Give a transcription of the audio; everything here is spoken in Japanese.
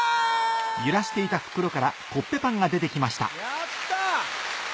やった！